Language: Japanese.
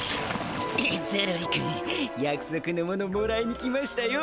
ゾロリ君やくそくのものもらいに来ましたよ。